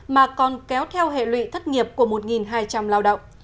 mà còn kéo theo hệ lụy thất nghiệp của một hai trăm linh lao động